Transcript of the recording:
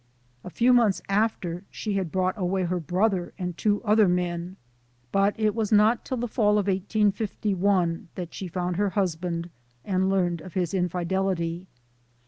A few months after she had brought away her brother and two other men, but it was not till the fall of 1851 that she found her husband and learned of his infidelity.